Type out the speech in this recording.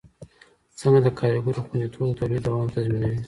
څنګه د کارګرو خوندیتوب د تولید دوام تضمینوي؟